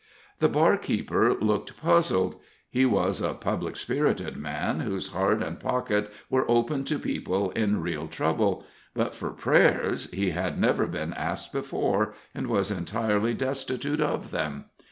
The barkeeper looked puzzled. He was a public spirited man, whose heart and pocket were open to people in real trouble, but for prayers he had never been asked before, and, was entirely destitute of them.